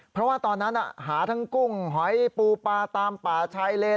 เพราะว่าตอนนั้นหาทั้งกุ้งหอยปูปลาตามป่าชายเลน